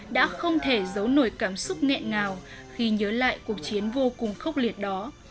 đã không thể giấu nổi cảm xúc nghẹn ngào khi nhớ lại cuộc chiến vô cùng khốc liệt đó